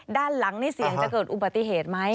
ด้านหลังนี่เสี่ยงจะเกิดอุบัติเหตุไหม